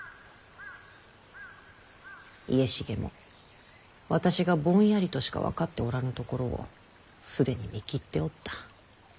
家重も私がぼんやりとしか分かっておらぬところを既に見切っておった。